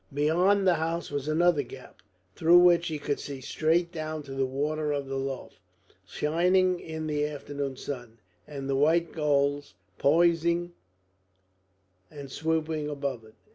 Beyond the house was another gap, through which he could see straight down to the water of the Lough, shining in the afternoon sun, and the white gulls poising and swooping above it.